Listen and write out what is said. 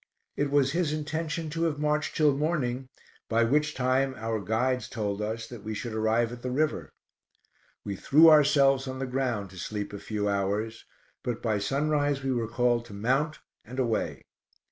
It was his intention to have marched till morning, by which time our guides told us that we should arrive at the river. We threw ourselves on the ground to sleep a few hours, but by sunrise we were called to mount and away.